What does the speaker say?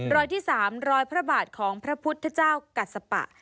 รอยที่๓รอยพระบาทของพระพุทธเจ้ากัสปะ